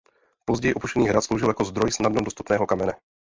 Později opuštěný hrad sloužil jako zdroj snadno dostupného kamene.